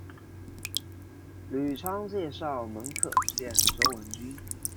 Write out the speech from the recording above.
吕仓介绍门客见周文君。